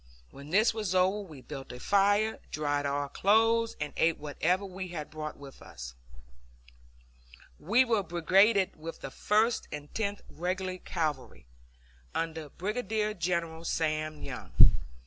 When this was over, we built a fire, dried our clothes, and ate whatever we had brought with us. We were brigaded with the First and Tenth Regular Cavalry, under Brigadier General Sam Young.